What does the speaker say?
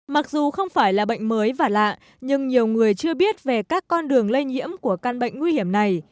mặc dù không phải là bệnh mới và lạ nhưng nhiều người chưa biết về các con đường lây nhiễm của căn bệnh nguy hiểm này